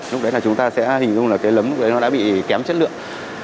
lúc đấy là chúng ta sẽ hình dung là cây lấm đã bị kém chất lượng